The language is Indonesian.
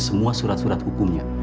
semua surat surat hukumnya